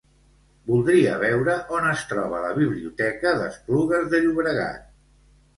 Voldria veure on es troba la biblioteca d'Esplugues de Llobregat.